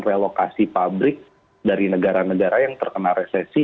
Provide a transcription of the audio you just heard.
relokasi pabrik dari negara negara yang terkena resesi